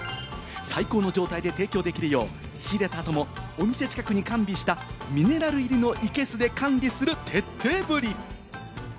最高の状態で提供できるよう仕入れた後もお店近くに完備したミネラル入りのいけすで管理する徹底ぶり。